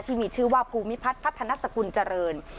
ที่มีชื่อว่าภูมิพัฒนศคุณเจริญ